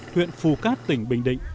huyện phù cát tỉnh bình định